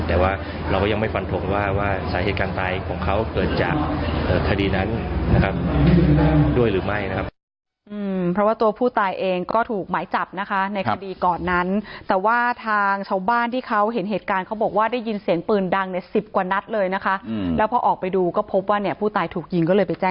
แล้วเรายังไม่ควันธงว่าสาเหตุการณ์ตายของเขา